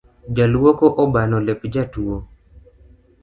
Jaluoko obano lep jatuo